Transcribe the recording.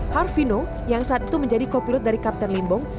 harvino yang saat itu menjadi kopilot dari kapten limbong